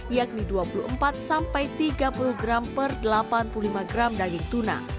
yakni dua puluh empat sampai tiga puluh gram per delapan puluh lima gram daging tuna